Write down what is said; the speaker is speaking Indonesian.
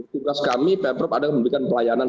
tugas kami pemprov adalah memberikan pelayanan